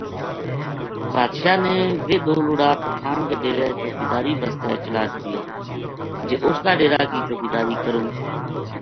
بادشاہ نے ویہ دو لُڑا پٹھان کے ڈیرے چوکیداری بسطے چلا چھوڈیا جی اُس کا ڈیرا کی چوکیداری کروں